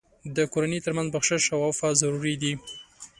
د کورنۍ تر منځ بخشش او عفو ضروري دي.